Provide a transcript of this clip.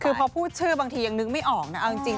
คือพอพูดชื่อบางทียังนึกไม่ออกนะเอาจริง